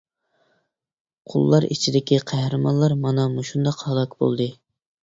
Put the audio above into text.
قۇللار ئىچىدىكى قەھرىمانلار مانا مۇشۇنداق ھالاك بولدى.